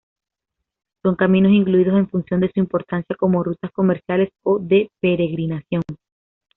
Son caminos incluidos en función de su importancia como rutas comerciales o de peregrinación.